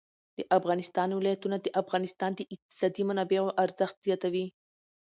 د افغانستان ولايتونه د افغانستان د اقتصادي منابعو ارزښت زیاتوي.